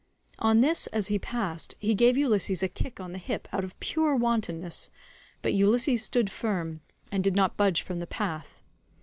On this, as he passed, he gave Ulysses a kick on the hip out of pure wantonness, but Ulysses stood firm, and did not budge from the path.